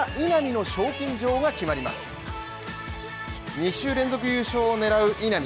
２週連続優勝を狙う稲見